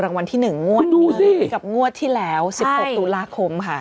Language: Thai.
รางวัลที่หนึ่งงวดกับงวดทีแล้วสิบหกตุลาคมค่ะ